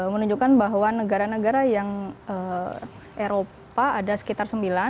menunjukkan bahwa negara negara yang eropa ada sekitar sembilan